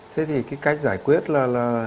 thế thì cái cách giải quyết là